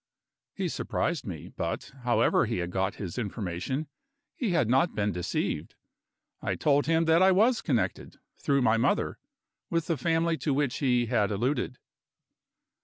He surprised me; but, however he had got his information, he had not been deceived. I told him that I was connected, through my mother, with the family to which he had alluded.